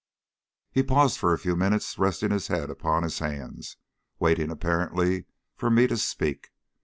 He paused for a few minutes, resting his head upon his hands, waiting apparently for me to speak.